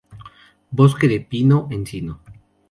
Bosque de pino-encino.